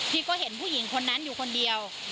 พี่ก็เห็นผู้หญิงคนนั้นอยู่คนเดียว